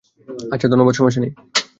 আচ্ছা ধন্যবাদ সমস্যা নেই।